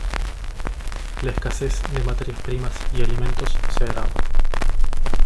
La escasez de materias primas y alimentos se agrava.